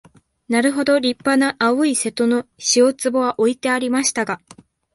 なるほど立派な青い瀬戸の塩壺は置いてありましたが、